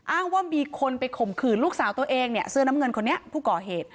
อ้างว่ามีคนไปข่มขืนลูกสาวตัวเองเนี่ยเสื้อน้ำเงินคนนี้ผู้ก่อเหตุ